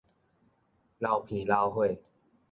流鼻流血